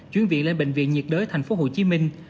chuyển viện lên bệnh viện nhiệt đới thành phố hồ chí minh